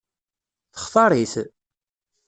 Textaṛ-it?